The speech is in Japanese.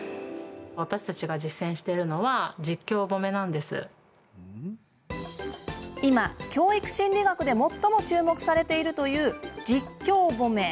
私たちが実践しているのは今、教育心理学で最も注目されているという実況褒め。